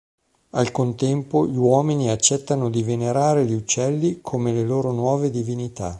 Al contempo, gli uomini accettano di venerare gli uccelli come le loro nuove divinità.